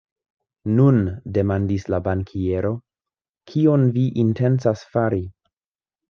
Nun, demandis la bankiero, kion vi intencas fari?